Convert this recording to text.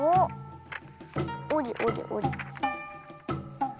おりおりおり。